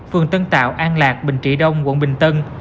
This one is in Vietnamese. phường tân tạo an lạc bình trị đông quận bình tân